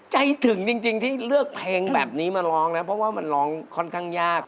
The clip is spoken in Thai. ถึงจริงที่เลือกเพลงแบบนี้มาร้องนะเพราะว่ามันร้องค่อนข้างยาก